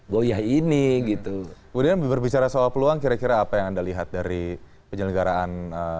goyah ini gitu kemudian berbicara soal peluang kira kira apa yang anda lihat dari penyelenggaraan